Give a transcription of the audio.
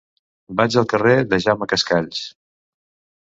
Vaig al carrer de Jaume Cascalls.